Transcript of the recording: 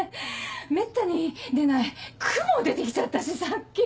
めったに出ないクモ出て来ちゃったしさっき。